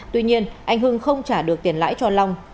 tuy nhiên anh hưng không trả được tiền lãi cho long